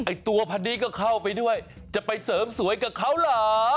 ตัวพันนี้ก็เข้าไปด้วยจะไปเสริมสวยกับเขาเหรอ